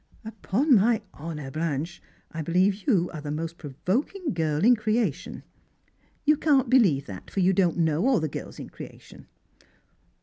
" Upon my honour, Blanche, I beHeve you are the most pro voking girl in creation !"" You can't believe that, for you don't know all the girls in creation."